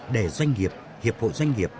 để doanh nghiệp hiệp hộ doanh nghiệp